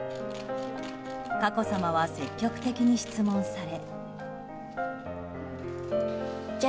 佳子さまは積極的に質問され。